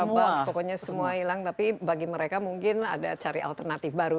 botch pokoknya semua hilang tapi bagi mereka mungkin ada cari alternatif baru